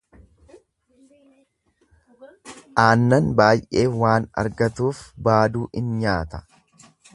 Aannan baay'ee waan argatuuf baaduu in nyaata.